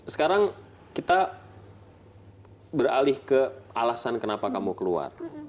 sekarang kita beralih ke alasan kenapa kamu keluar